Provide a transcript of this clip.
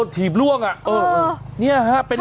เบิร์ตลมเสียโอ้โห